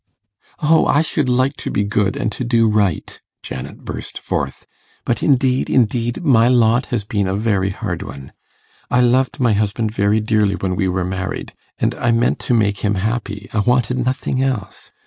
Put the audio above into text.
'O, I should like to be good and to do right,' Janet burst forth; 'but indeed, indeed, my lot has been a very hard one. I loved my husband very dearly when we were married, and I meant to make him happy I wanted nothing else.